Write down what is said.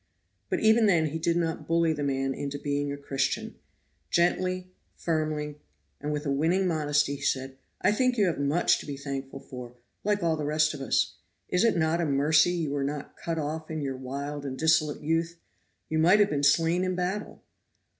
But even then he did not bully the man into being a Christian; gently, firmly, and with a winning modesty, he said: "I think you have much to be thankful for, like all the rest of us. Is it not a mercy you were not cut off in your wild and dissolute youth? you might have been slain in battle."